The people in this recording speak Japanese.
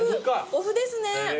おふですね。